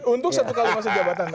untuk satu kali masa jabatan